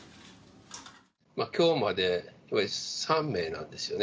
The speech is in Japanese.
きょうまで３名なんですよね。